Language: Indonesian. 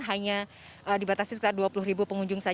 hanya dibatasi sekitar dua puluh ribu pengunjung